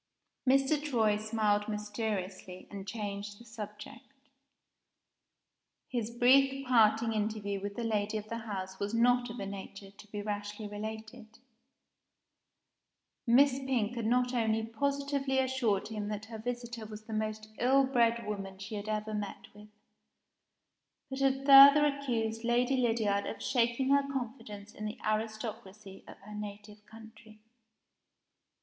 Mr. Troy smiled mysteriously, and changed the subject. His brief parting interview with the lady of the house was not of a nature to be rashly related. Miss Pink had not only positively assured him that her visitor was the most ill bred woman she had ever met with, but had further accused Lady Lydiard of shaking her confidence in the aristocracy of her native country.